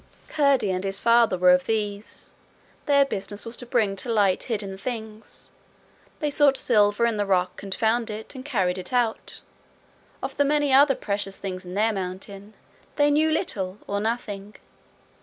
Curdie and his father were of these: their business was to bring to light hidden things; they sought silver in the rock and found it, and carried it out. Of the many other precious things in their mountain they knew little or nothing.